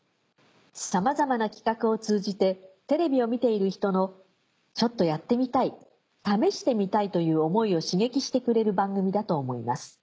さまざまな企画を通じてテレビを見ている人の『ちょっとやってみたい試してみたい』という思いを刺激してくれる番組だと思います。